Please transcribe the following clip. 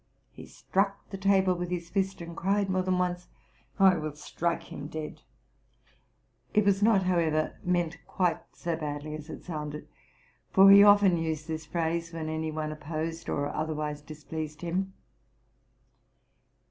He struck the table with his fist, and cried more than once, '* I will strike him dead! "' It was not, however, meant quite so badly as it sounded ; for he often used this phrase when any one opposed or otherwise displeased him.